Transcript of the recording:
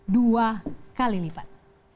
dua kali lipat